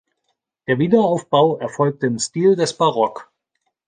Der Wiederaufbau erfolgte im Stil des Barock.